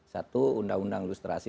satu undang undang ilustrasi